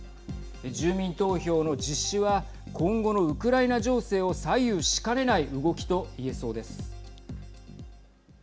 住民投票の実施は今後のウクライナ情勢を左右しかねない動きといえそうです。